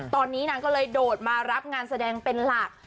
ตอนนี้นางก็เลยโดดมารับงานแสดงเป็นหลัก